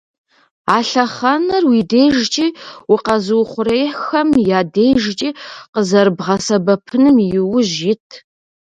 А лъэхъэнэр уи дежкӀи укъэзыухъуреихьхэм я дежкӀи къызэрыбгъэсэбэпыным иужь ит.